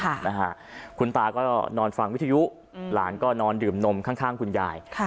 ค่ะนะฮะคุณตาก็นอนฟังวิทยุอืมหลานก็นอนดื่มนมข้างข้างคุณยายค่ะ